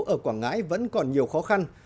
ở quảng ngãi vẫn còn nhiều khó khăn